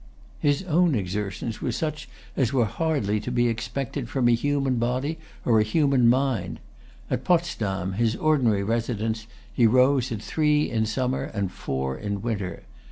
His own exertions were such as were hardly to be expected from a human body or a human mind. At Potsdam, his ordinary residence, he rose at three in summer and four in winter.